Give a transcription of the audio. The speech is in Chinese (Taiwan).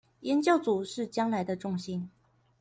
研究組是將來的重心